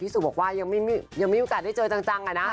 พี่สุบอกว่ายังไม่มีโอกาสได้เจอจัง